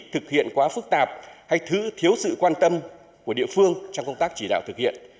thực hiện quá phức tạp hay thử thiếu sự quan tâm của địa phương trong công tác chỉ đạo thực hiện